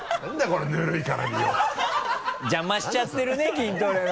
邪魔しちゃってるね筋トレの。